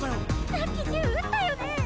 ・さっき銃撃ったよね！